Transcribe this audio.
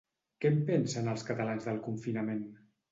Què en pensen els catalans del confinament?